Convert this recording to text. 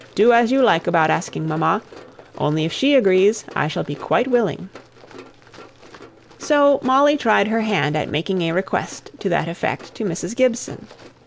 Do as you like about asking mamma; only if she agrees, I shall be quite willing." So Molly tried her hand at making a request to that effect to Mrs. Gibson.